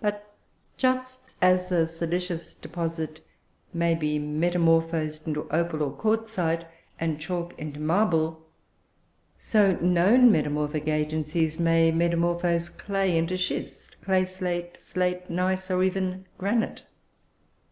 But just as a silicious deposit may be metamorphosed into opal or quartzite, and chalk into marble, so known metamorphic agencies may metamorphose clay into schist, clay slate, slate, gneiss, or even granite.